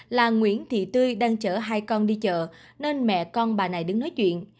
là nguyễn thị tươi đang chở hai con đi chợ nên mẹ con bà này đứng nói chuyện